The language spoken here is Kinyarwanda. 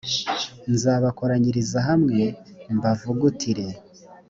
nzabakoranyiriza hamwe mbavugutire